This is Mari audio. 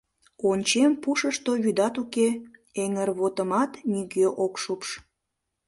Ончем, пушышто вӱдат уке, эҥырвотымат нигӧ ок шупш.